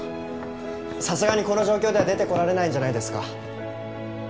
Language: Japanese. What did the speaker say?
さすがにこの状況では出てこられないんじゃないですか？